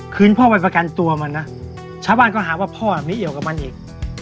คืนพ่อไปประกันตัวมันนะชาวบ้านก็หาว่าพ่อไม่เอี่ยวกับมันอีก